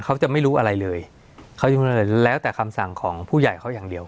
เขาจะไม่รู้อะไรเลยเขาจะรู้เลยแล้วแต่คำสั่งของผู้ใหญ่เขาอย่างเดียว